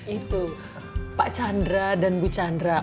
itu pak chandra dan bu chandra